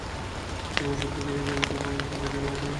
যখন সত্য দেখানো যায় না, তখন হাতি দেখিয়ে মত্ত করে রাখতে হয়।